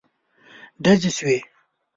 ډزې شوې.